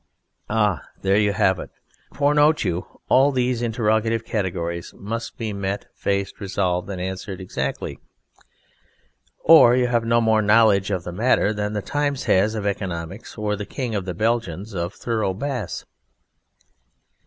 _ Ah! There you have it. For note you, all these interrogative categories must be met, faced, resolved and answered exactly or you have no more knowledge of the matter than the Times has of economics or the King of the Belgians of thorough Bass.